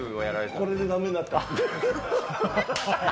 これでだめになった。